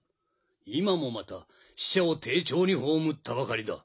今もまた死者を丁重に葬ったばかりだ。